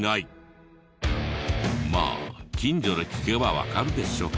まあ近所で聞けばわかるでしょ。